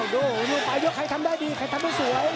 ดูวี้งไปด้วยไข่ทำได้ดีไข่ทำไม่สวย